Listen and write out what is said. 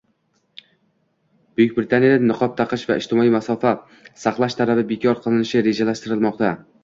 Buyuk Britaniyada niqob taqish va ijtimoiy masofa saqlash talabi bekor qilinishi rejalashtirilmoqda